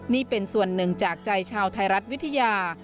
นี่เป็นส่วนหนึ่งจากใจชาวไทยรัฐวิทยา